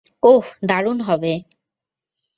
ওহ, দারুণ হবে।